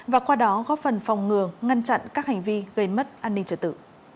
và qua đó góp phần phòng ngừa ngăn chặn các hành vi gây mất an ninh trật tự